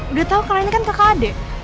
udah tau kalian kan kakak adek